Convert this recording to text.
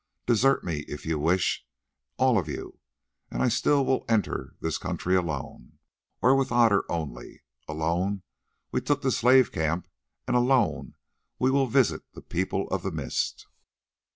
Desert me, if you wish, all of you, and still I will enter this country alone, or with Otter only. Alone we took the slave camp and alone we will visit the People of the Mist."